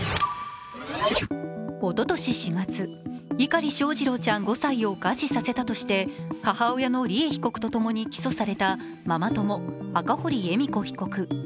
おととし４月、碇翔士郎ちゃん５歳を餓死させたとして、母親の利恵被告とともに起訴されたママ友・赤堀恵美子被告。